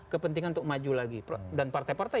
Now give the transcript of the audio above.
kepentingan untuk maju lagi dan partai partai